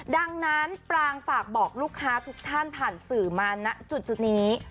ดังนั้นปรางฝากบอกลูกค้าทุกท่านผ่านสื่อมาณจุดนี้